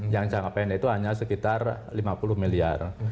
yang jangka pendek itu hanya sekitar lima puluh miliar